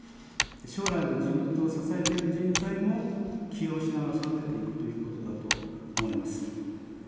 将来の自民党を支えていく人材も起用しながら育てていくということだと思います。